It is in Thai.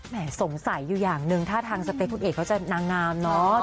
สงสัยอยู่อย่างหนึ่งถ้าทางสเปคคุณเอกเขาจะนางงามเนอะ